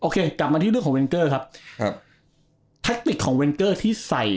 กลับมาที่เรื่องของเวนเกอร์ครับ